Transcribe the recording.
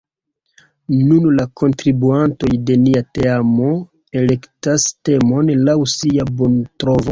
Nun la kontribuantoj de nia teamo elektas temon laŭ sia bontrovo.